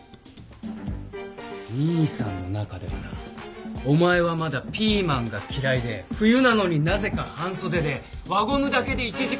兄さんの中ではなお前はまだピーマンが嫌いで冬なのになぜか半袖で輪ゴムだけで１時間は遊べる